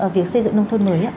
việc xây dựng nông thôn mới ạ